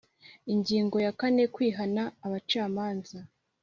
Ingingo ya kane Kwihana abacamanza